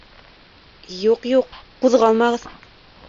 — Юҡ, юҡ, ҡуҙғалмағыҙ.